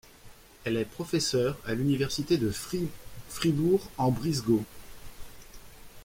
Elle est professeure à l'Université de Fribourg-en-Brisgau.